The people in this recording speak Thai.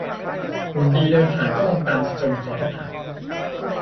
หุ่นดีเดินผ่านก็มองตามเสียจนคอแทบหัก